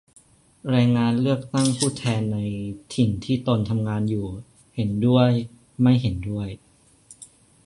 แรงงานเลือกตั้งผู้แทนในถิ่นที่ตนทำงานอยู่ ? เห็นด้วย ไม่เห็นด้วย